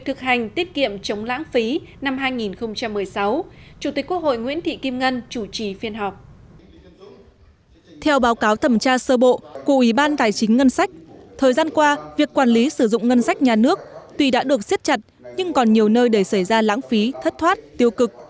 theo báo cáo thẩm tra sơ bộ của ủy ban tài chính ngân sách thời gian qua việc quản lý sử dụng ngân sách nhà nước tuy đã được siết chặt nhưng còn nhiều nơi để xảy ra lãng phí thất thoát tiêu cực